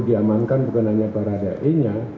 diamankan bukan hanya para dae nya